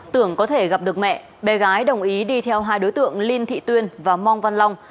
tưởng có thể gặp được mẹ bé gái đồng ý đi theo hai đối tượng linh thị tuyên và mong văn long